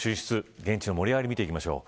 現地の盛り上がりを見ていきましょう。